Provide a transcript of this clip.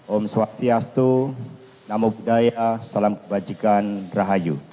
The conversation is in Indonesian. om swastiastu namo buddhaya salam kebajikan rahayu